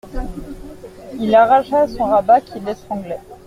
Il arracha son rabat qui l'étranglait.